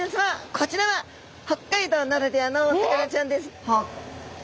こちらは北海道ならではのお魚ちゃんです。